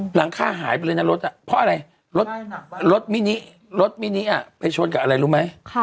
หลังค่าหายไปเลยนะรถเพราะอะไร